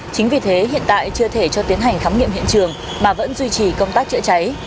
chính vì thế hiện tại chưa thể cho tiến hành khám nghiệm hiện trường mà vẫn duy trì công tác chữa cháy